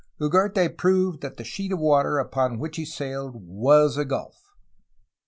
Ugarte proved that the sheet of water upon which he sailed was a gulf.